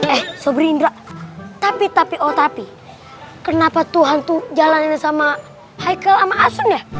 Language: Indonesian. eh sob rindra tapi tapi oh tapi kenapa tuh hantu jalanin sama haikal sama asun ya